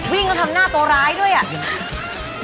วิ่งก็ทำหน้าตัวร้ายด้วยอ่ะ